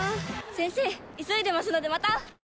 先生急いでますのでまた！